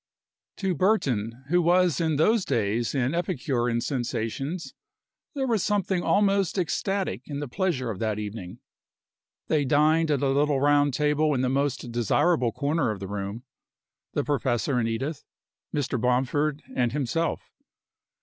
To Burton, who was in those days an epicure in sensations, there was something almost ecstatic in the pleasure of that evening. They dined at a little round table in the most desirable corner of the room the professor and Edith, Mr. Bomford and himself.